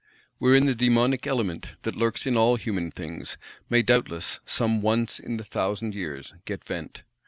Wherein the "dæmonic element," that lurks in all human things, may doubtless, some once in the thousand years—get vent!